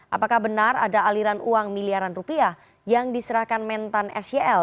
apakah benar ada aliran uang miliaran rupiah yang diserahkan mentan sel